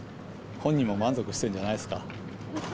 本人も満足してるんじゃないですか。